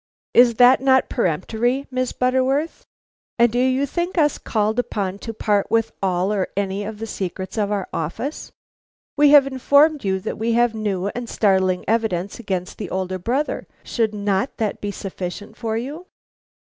"Is not that peremptory, Miss Butterworth? And do you think us called upon to part with all or any of the secrets of our office? We have informed you that we have new and startling evidence against the older brother; should not that be sufficient for you?"